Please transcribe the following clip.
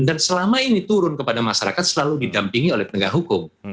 dan selama ini turun kepada masyarakat selalu didampingi oleh pendagang hukum